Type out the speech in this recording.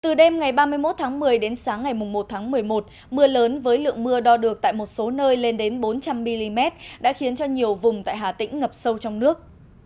từ đêm ngày ba mươi một tháng một mươi đến sáng ngày một tháng một mươi một mưa lớn với lượng mưa đo được tại một số nơi lên đến bốn trăm linh mm đã khiến cho nhiều vùng tại hà tĩnh ngập sâu trong nước